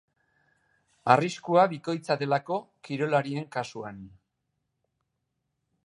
Arriskua bikoitza delako kirolarien kasuan.